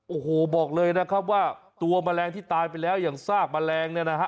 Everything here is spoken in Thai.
โอ้โหบอกเลยนะครับว่าตัวแมลงที่ตายไปแล้วอย่างซากแมลงเนี่ยนะฮะ